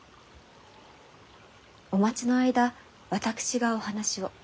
お待ちの間私がお話を。